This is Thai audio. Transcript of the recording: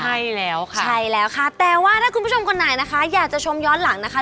ใช่แล้วค่ะใช่แล้วค่ะแต่ว่าถ้าคุณผู้ชมคนไหนนะคะอยากจะชมย้อนหลังนะคะ